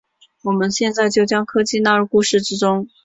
我们现在就将科技纳入故事之中。